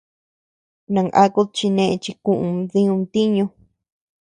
Nangakud chi neʼe chi kuʼuu diuu ntiñu.